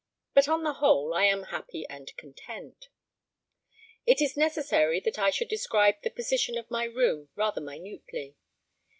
But, on the whole, I am happy and content. It is necessary that I should describe the position of my room rather minutely.